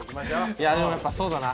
いやでもやっぱそうだな。